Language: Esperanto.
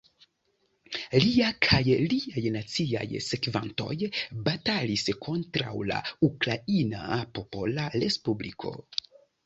Lia kaj liaj naciaj sekvantoj batalis kontraŭ la Ukraina Popola Respubliko.